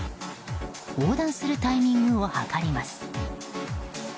横断するタイミングを計ります。